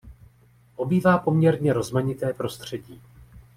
Obývá poměrně rozmanité prostředí.